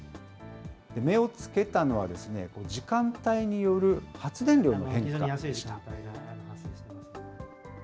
目をつけたのは、時間帯による発電量の変化でした。